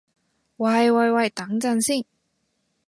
喂喂喂，等陣先